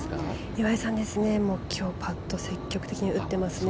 岩井さん、今日パット、積極的に打っていますね。